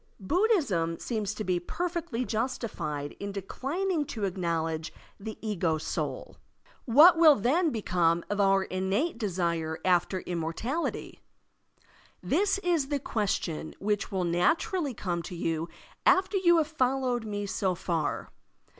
Digitized by Google IMMORTALITY 57 Buddhism seems to be perfectly justified in declining to acknowledge the ego soul. What will then become of our innate desire after immortality? This is the question which will naturally come to you after you have fol lowed me so far.